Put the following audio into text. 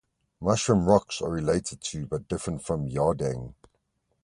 Mushroom rocks are related to, but different from, "yardang".